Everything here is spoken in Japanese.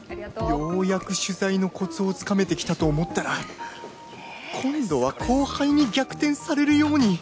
ようやく取材のコツをつかめてきたと思ったら今度は後輩に逆転されるように。